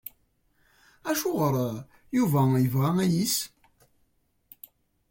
Acuɣer Yuba yebɣa ayis?